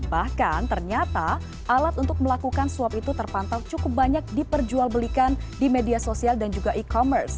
bahkan ternyata alat untuk melakukan swab itu terpantau cukup banyak diperjualbelikan di media sosial dan juga e commerce